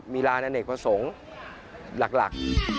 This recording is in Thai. มีลานอเนกประสงค์หลัก